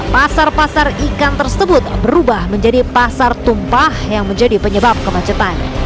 pasar pasar ikan tersebut berubah menjadi pasar tumpah yang menjadi penyebab kemacetan